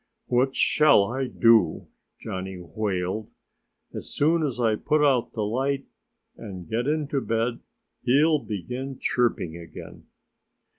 "What shall I do?" Johnnie wailed. "As soon as I put out the light and get into bed he'll begin chirping again."